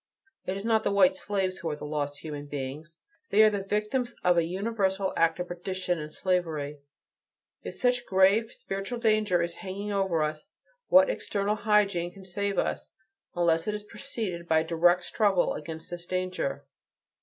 It is not the white slaves who are the "lost" human beings; they are the victims of a universal act of perdition and slavery. If such a grave spiritual danger is hanging over us, what external hygiene can save us, unless it is preceded by a direct struggle against this danger?